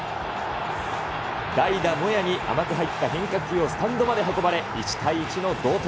代打、モヤに甘く入った変化球をスタンドまで運ばれ、１対１の同点。